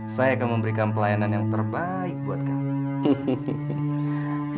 saya akan memberikan pelayanan yang terbaik buat kami